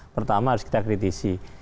pertama harus kita kritisi